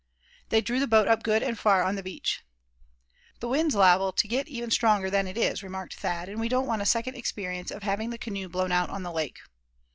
They drew the boat up good and far on the beach. "The wind's liable to get even stronger than it is," remarked Thad, "and we don't want a second experience of having the canoe blown out on the lake."